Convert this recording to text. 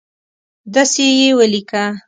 دسي یې ولیکه